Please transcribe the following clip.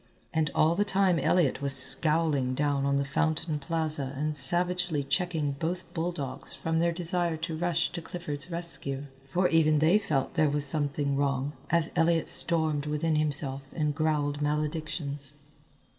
And all the time Elliott was scowling down on the fountain plaza and savagely checking both bulldogs from their desire to rush to Clifford's rescue, for even they felt there was something wrong, as Elliott stormed within himself and growled maledictions.